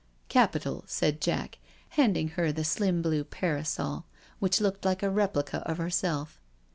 "Capitall" said Jack, handing her the slim blue parasol, which looked like a replica of herself.